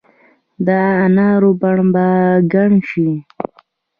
دا نارو بڼ به ګڼ شي